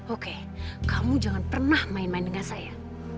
oke kamu jangan pernah main main dengan saya